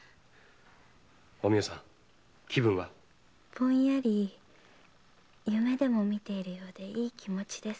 ぼんやり夢でも見ているようでいい気持です。